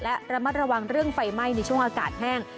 และระมัดระวังเรื่องไฟไหม้ในช่วงอากาศแห้ง